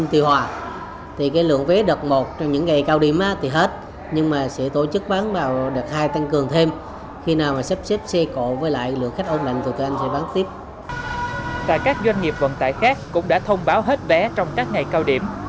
tại các doanh nghiệp vận tải khác cũng đã thông báo hết vé trong các ngày cao điểm